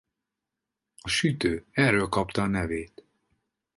A sütő erről kapta a nevét.